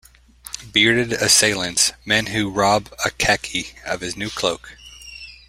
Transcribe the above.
Bearded Assailants: Men who rob Akaky of his new cloak.